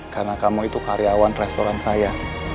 karena kamu itu karyawan restoran saya